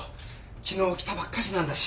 昨日来たばっかしなんだし。